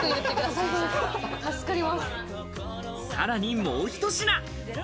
さらにもうひと品。